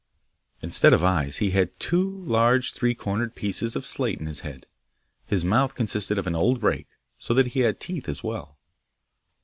Instead of eyes he had two large three cornered pieces of slate in his head; his mouth consisted of an old rake, so that he had teeth as well.